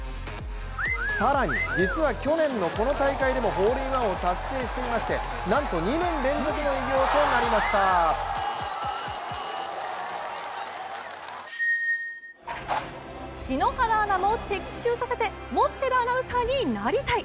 更に実は去年のこの大会でもホールインワンを達成していましてなんと２年連続の偉業となりました篠原アナも的中させて持ってるアナウンサーになりたい。